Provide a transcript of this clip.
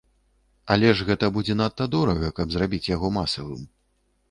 Але ж гэта будзе надта дорага, каб зрабіць яго масавым.